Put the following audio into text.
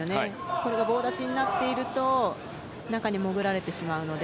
これが棒立ちになってると中に潜られてしまうので。